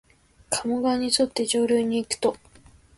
加茂川にそって上流にいくと、